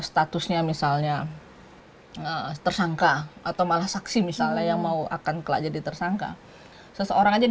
statusnya misalnya tersangka atau malah saksi misalnya yang mau akan ke jadi tersangka seseorang aja